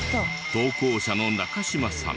投稿者の中島さん